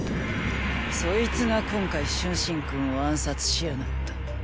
そいつが今回春申君を暗殺しやがった。